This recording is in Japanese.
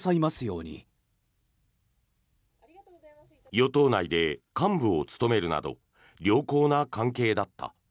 与党内で幹部を務めるなど良好な関係だった。